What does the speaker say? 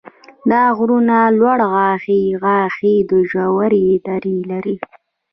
دا غرونه لوړ غاښي غاښي او ژورې درې لري.